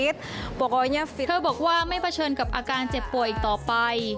เธอบอกว่าเธอบอกว่าไม่เผชิญกับอาการเจ็บป่วยอีกต่อไป